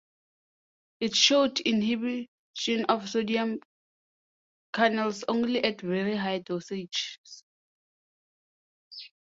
It showed inhibition of sodium channels only at very high dosages.